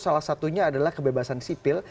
salah satunya adalah kebebasan sipil